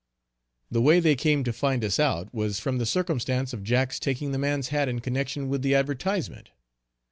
The way they came to find us out was from the circumstance of Jack's taking the man's hat in connection with the advertisement.